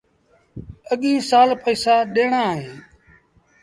اَڳيٚن سآل پئيٚسآ ڏيڻآ اهيݩ۔